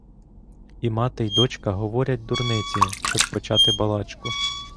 І мати й дочка говорять дурниці, щоб почати балачку.